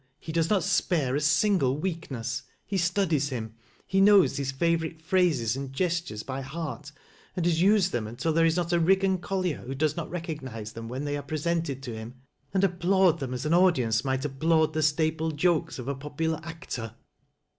He does not spare a single weakness. He studies him — he knows his favorite phrases and gestures by heart, and has used them until there is not a Eiggan collier who does not recognize them when they are presented to him, and ap plaud them as an audience might applaud the staple jokes of a popular actor."